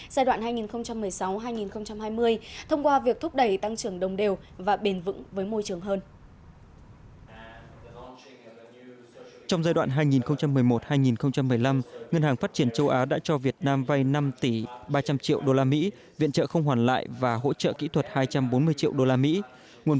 sau đó ngân hàng phát triển châu á đã phê duyệt chiến lược đối tác mới để hỗ trợ việt nam thực hiện kế hoạch phát triển kế hoạch phát triển kế hoạch